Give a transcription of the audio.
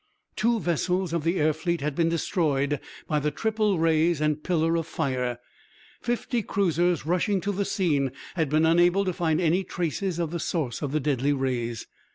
Two vessels of the air fleet had been destroyed by the triple rays and pillar of fire! Fifty cruisers rushing to the scene had been unable to find any traces of the source of the deadly rays.